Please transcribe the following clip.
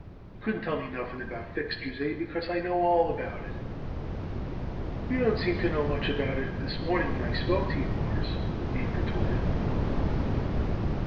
You couldn't tell me nothing about fixtures, Abe, because I know all about it." "You don't seem to know much about it this morning when I spoke to you, Mawruss," Abe retorted.